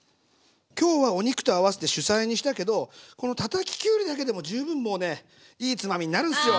今日はお肉と合わせて主菜にしたけどこのたたききゅうりだけでも十分もうねいいつまみになるんすよ！